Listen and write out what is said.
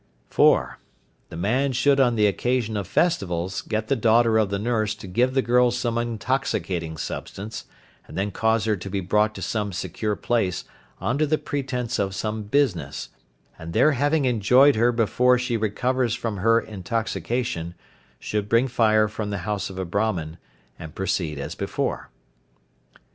(4.) The man should on the occasion of festivals get the daughter of the nurse to give the girl some intoxicating substance, and then cause her to be brought to some secure place under the pretence of some business, and there having enjoyed her before she recovers from her intoxication, should bring fire from the house of a Brahman, and proceed as before.